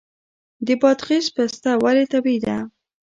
د بادغیس پسته ولې طبیعي ده؟